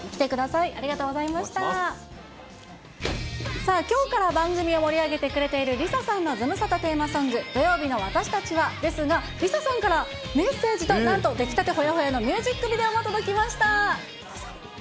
さあ、きょうから番組を盛り上げてくれているＬｉＳＡさんのズムサタテーマソング、土曜日のわたしたちはですが、ＬｉＳＡさんからメッセージが、なんと、出来たてほやほやのミュージックビデオも届きました。